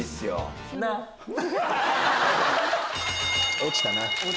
落ちたな。